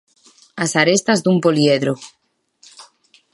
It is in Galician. As arestas dun poliedro.